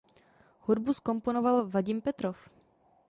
Hudbu zkomponoval Vadim Petrov.